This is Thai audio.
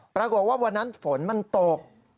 ปรากฏว่าวันนั้นฝนมันตก